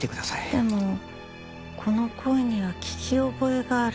でもこの声には聞き覚えがある。